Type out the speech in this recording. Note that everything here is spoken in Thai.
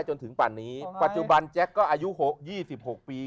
จริงจริงแจ๊คก็อายุ๒๖ปี